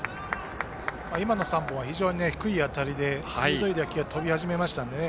今の３本は低い当たりで鋭い打球が飛び始めましたのでね。